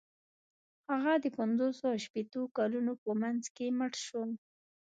هغه د پنځوسو او شپیتو کلونو په منځ کې مړ شو.